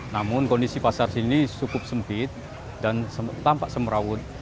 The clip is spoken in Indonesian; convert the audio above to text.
namun kondisi pasar ini cukup sempit dan tampak semrawut